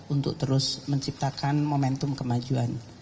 untuk terus menciptakan momentum kemajuan